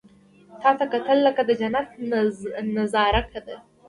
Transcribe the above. • تا ته کتل، لکه د جنت نظاره ده.